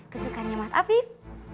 kesukarnya mas afif